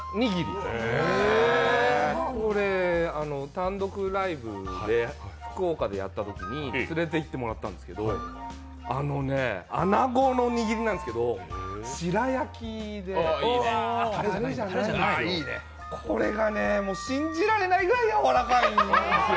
単独ライブで、福岡でやったときに連れて行ってもらったんですけど穴子の握りなんですけど白焼きで、たれじゃないんですよ、これが信じられないくらいやわらかいんですよ。